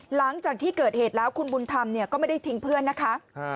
หลังจากที่เกิดเหตุแล้วคุณบุญธรรมเนี่ยก็ไม่ได้ทิ้งเพื่อนนะคะ